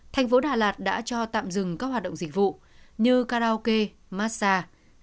tp đà lạt đã cho tạm dừng các hoạt động dịch vụ như karaoke massage